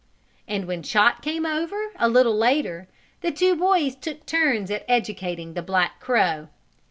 And when Chot came over, a little later, the two boys took turns at educating the black crow.